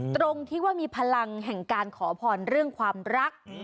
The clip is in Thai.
ตรงที่ว่ามีพลังแห่งการขอพรเรื่องความรัก